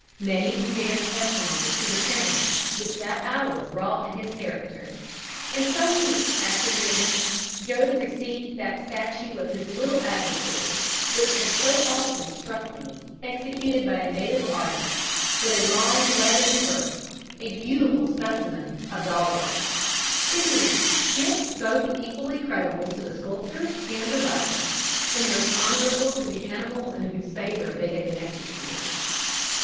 Many can bear testimony to the change which that hour wrought in his character; and some weeks after the event, Job received that statue of his little adversary, which had so often struck me, executed by a native artist, with a long letter in verse, a beautiful specimen of doggrel; indeed, gifts both equally creditable to the sculptor and the writer, and most honourable to the animal in whose favour they had been executed.